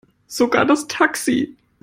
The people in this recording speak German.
Sogar das Taxi.